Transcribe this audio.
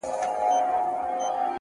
نظم ګډوډي په توازن بدلوي.!